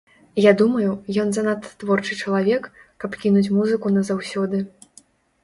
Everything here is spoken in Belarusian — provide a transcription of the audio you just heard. Я думаю, ён занадта творчы чалавек, каб кінуць музыку назаўсёды.